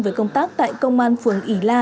với công tác tại công an phường ỉ la